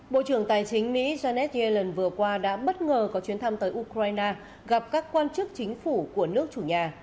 bộ trưởng tài chính mỹ janet yellen vừa qua đã bất ngờ có chuyến thăm tới ukraine gặp các quan chức chính phủ của nước chủ nhà